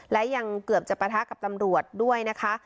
และยังเกือบจะปะทะกับตำรวจด้วยนะคะ